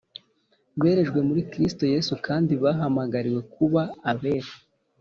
berejwe muri Kristo Yesu, kandi bahamagariwe kuba abera,